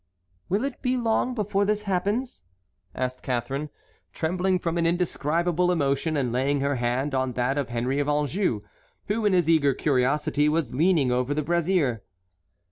"Will it be long before this happens?" asked Catharine, trembling from an indescribable emotion and laying her hand on that of Henry of Anjou, who in his eager curiosity was leaning over the brazier.